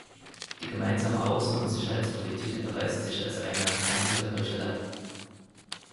Die gemeinsame Außen- und Sicherheitspolitik erweist sich als eine einzige Heuchelei!